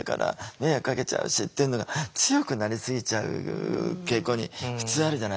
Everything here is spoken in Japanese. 迷惑かけちゃうし」っていうのが強くなりすぎちゃう傾向に普通あるじゃないですか。